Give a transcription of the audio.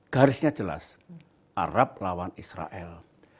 garisnya jelas arab lawan israel